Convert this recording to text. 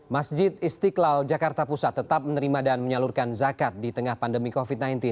masjid istiqlal jakarta pusat tetap menerima dan menyalurkan zakat di tengah pandemi covid sembilan belas